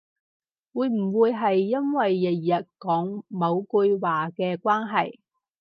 會唔會係因為日日講某句話嘅關係